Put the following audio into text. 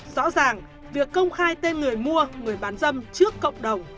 rõ ràng việc công khai tên người mua người bán dâm trước cộng đồng